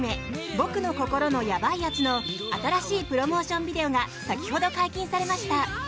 「僕の心のヤバイやつ」の新しいプロモーションビデオが先ほど解禁されました。